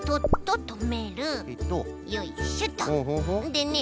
でね